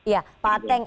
ya pak ateng